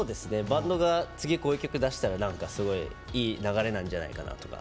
バンドが次こういう曲出したら何かすごいいい流れなんじゃないかなとか。